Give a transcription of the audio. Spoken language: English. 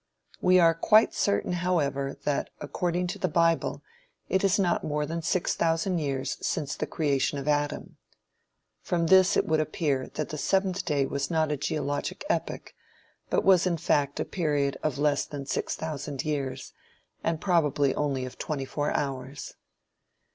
We are quite certain, however, that, according to the bible, it is not more than six thousand years since the creation of Adam. From this it would appear that the seventh day was not a geologic epoch, but was in fact a period of less than six thousand years, and probably of only twenty four hours.